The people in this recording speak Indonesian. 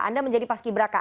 anda menjadi paski beraka